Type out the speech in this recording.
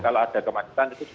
kalau ada kemacetan itu